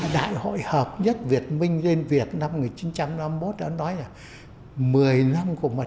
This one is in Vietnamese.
đại hội hợp nhất việt minh lên việt năm một nghìn chín trăm năm mươi một đã nói là